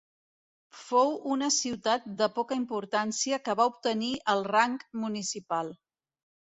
Fou una ciutat de poca importància que va obtenir el rang municipal.